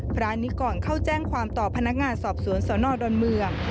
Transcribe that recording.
พระนิกรเข้าแจ้งความต่อพนักงานสอบสวนสนดอนเมือง